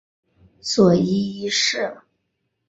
佐伊一世。